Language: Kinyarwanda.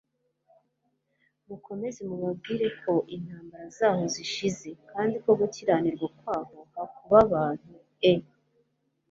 mukomeze mubabwire ko intambara zaho zishize kandi ko gukiranirwa kwaho hakubabantue,